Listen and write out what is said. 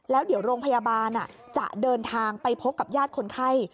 แล้วเดี๋ยวโรงพยาบาลจะเดินทางไปพบกับญาติคนไข้